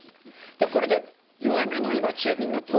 でこれで弱めの今中火になってますよね？